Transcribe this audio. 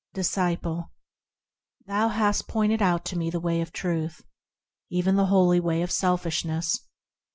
Disciple. Thou hast pointed out to me the way of Truth, Even the holy way of selfishness.